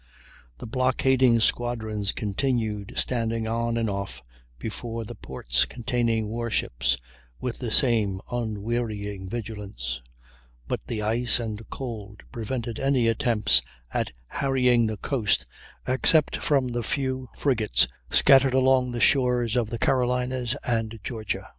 The blockading squadrons continued standing on and off before the ports containing war ships with the same unwearying vigilance; but the ice and cold prevented any attempts at harrying the coast except from the few frigates scattered along the shores of the Carolinas and Georgia.